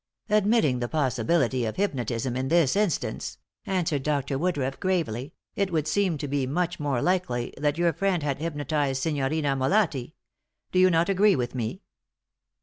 "Admitting the possibility of hypnotism in this instance," answered Dr. Woodruff, gravely, "it would seem to be much more likely that your friend had hypnotized Signorina Molatti. Do you not agree with me?"